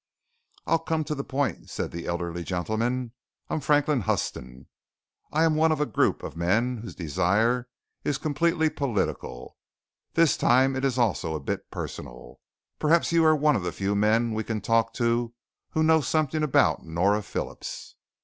"I'll come to the point," said the elderly gentleman. "I am Franklin Huston. I am one of a group of men whose desire is completely political. This time it is also a bit personal. Perhaps you are one of the few men we can talk to who knows something about Nora Phillips."